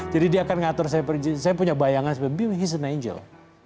jadi dia akan ngatur saya punya bayangan he's an angel